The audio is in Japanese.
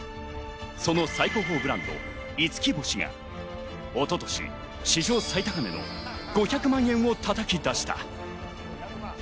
その最高峰ブランド五輝星が一昨年、史上最高値の５００万円を叩き出した。